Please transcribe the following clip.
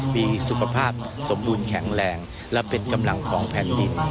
มีสุขภาพสมบูรณ์แข็งแรงและเป็นกำลังของแผ่นดิน